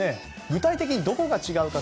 具体的に、どこが違うか。